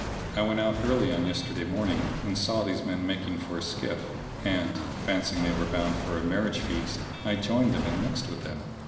I went out early on yesterday morning and saw these men making for a skiff; and, fancying they were bound for a marriage feast, I joined them and mixed with them.